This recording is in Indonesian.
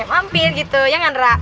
mampir gitu ya nggak rak